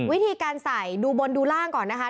วิธีการใส่ดูบนดูร่างก่อนนะคะ